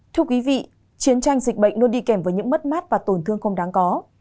thưa quý vị chiến tranh dịch bệnh luôn đi kèm với những mất mát và tổn thương không đáng có